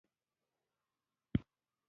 لمسی له نیکه سره د باغ لور ته ځي.